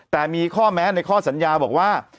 แต่มีข้อแม้ในข้อสัญญาบอกว่า